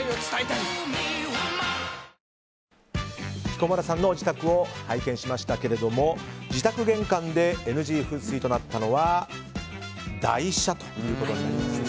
彦摩呂さんの自宅を拝見しましたけれども自宅玄関でＮＧ風水となったのは台車となりました。